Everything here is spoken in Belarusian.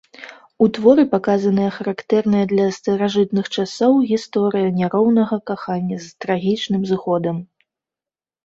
У творы паказаная характэрная для старажытных часоў гісторыя няроўнага кахання з трагічным зыходам.